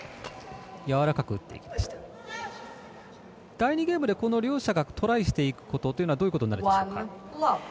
第２ゲームで、この両者がトライしていくことというのはどういうことになるでしょうか。